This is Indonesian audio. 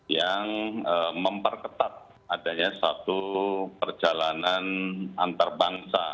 yang memperketat adanya satu perjalanan antarbangsa